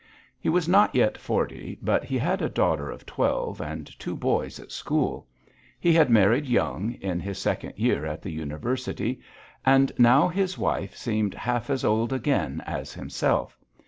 He was not yet forty, but he had a daughter of twelve and two boys at school. He had married young, in his second year at the University, and now his wife seemed half as old again as himself.